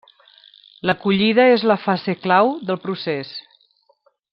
L’acollida és la fase clau del procés.